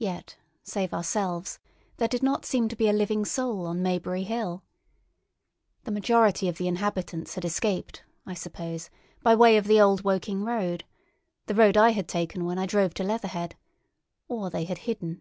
Yet, save ourselves, there did not seem to be a living soul on Maybury Hill. The majority of the inhabitants had escaped, I suppose, by way of the Old Woking road—the road I had taken when I drove to Leatherhead—or they had hidden.